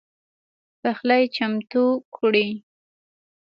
پخلی چمتو کړئ